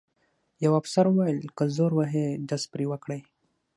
یوه افسر وویل: که زور وهي ډز پرې وکړئ.